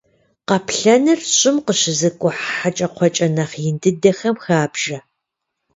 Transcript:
Къаплъэныр щӏым къыщызыкӏухь хьэкӏэкхъуэкӏэ нэхъ ин дыдэхэм хабжэ.